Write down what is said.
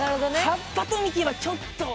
葉っぱと幹はちょっと。